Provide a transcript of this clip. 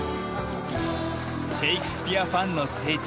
シェイクスピアファンの聖地